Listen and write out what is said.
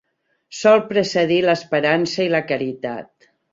Sol precedir l'esperança i la caritat.